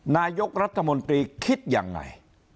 นายกรัฐมนตรีคิดยังไง